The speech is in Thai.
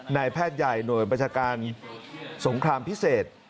นายแพทย์ใหญ่หน่วยบัญชาการสงครามพิเศษ